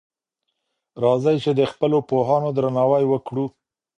راځئ چی د خپلو پوهانو درناوی وکړو.